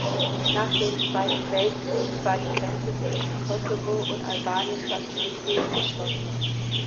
Nach dem Zweiten Weltkrieg war die Grenze zwischen Kosovo und Albanien fast durchgehend geschlossen.